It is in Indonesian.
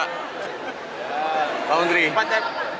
kalau dicalonkan gimana pak